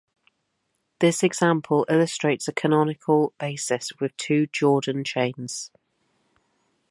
This example illustrates a canonical basis with two Jordan chains.